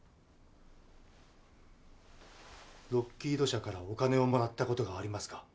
ロッキード社からお金をもらった事がありますか？